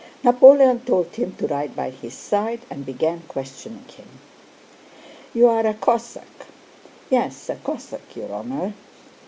Napoleon told him to ride by his side and began questioning him. "You are a Cossack?" "Yes, a Cossack, your Honor."